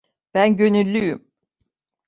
Ben gönüllüyüm.